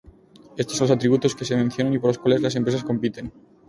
Estos son los atributos que se mencionan y por los cuales las empresas compiten.